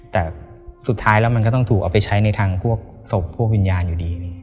แต่สุดท้ายแล้วมันก็ต้องถูกเอาไปใช้ในทางพวกศพพวกวิญญาณอยู่ดี